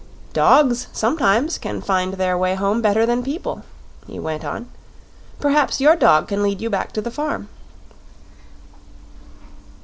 "Dogs sometimes can find their way home better than people," he went on; "perhaps your dog can lead you back to the farm."